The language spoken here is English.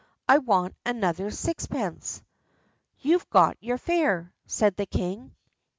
I want another sixpence." "You've got your fare," said the king.